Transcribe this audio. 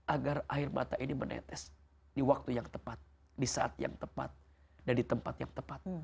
agar air mata ini menetes di waktu yang tepat di saat yang tepat dan di tempat yang tepat